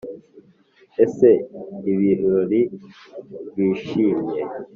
ese ibirori bishimye: